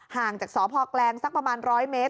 ห่างจากสพแกลงสักประมาณ๑๐๐เมตร